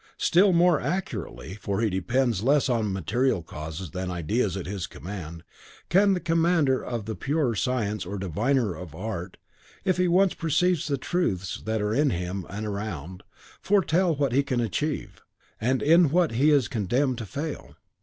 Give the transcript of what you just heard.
Still more accurately, for he depends less on material causes than ideas at his command, can the commander of the purer science or diviner art, if he once perceive the truths that are in him and around, foretell what he can achieve, and in what he is condemned to fail.